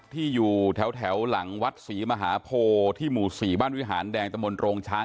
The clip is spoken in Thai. ที่อยู่แถวหลังวัดศรีมหาโพที่หมู่๔บ้านวิหารแดงตะมนต์โรงช้าง